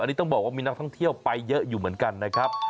อันนี้ต้องบอกว่ามีนักท่องเที่ยวไปเยอะอยู่เหมือนกันนะครับ